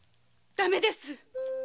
ダメです